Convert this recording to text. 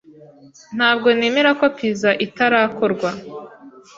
Ntabwo nemera ko pizza itarakorwa.